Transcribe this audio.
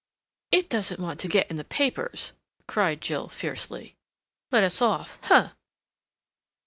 "It doesn't want to get in the papers," cried Jill fiercely. "Let us off! Huh!"